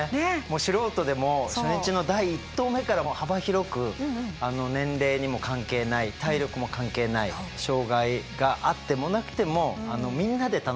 素人でも初日の第一投目から幅広く年齢にも関係ない体力も関係ない障害があってもなくてもみんなで楽しめる競技ですよね。